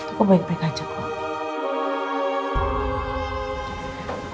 aku baik baik aja kok